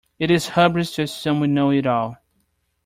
It is hubris to assume we know it all.